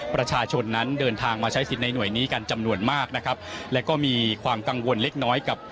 ประชาชนนั้นเดินทางมาใช้สิทธิ์ในหน่วยนี้กันจำนวนมากนะครับและก็มีความกังวลเล็กน้อยกับ